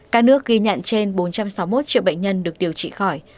cả nước ghi nhận trên bốn trăm sáu mươi một triệu bệnh nhân được điều trị khỏi